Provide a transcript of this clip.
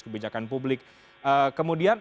kebijakan publik kemudian